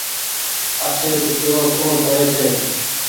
اٺي ڪچرو ڪوڻ ڪري ڇي ۔